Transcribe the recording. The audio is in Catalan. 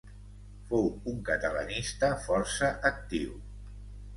Fou un catalanista força actiu.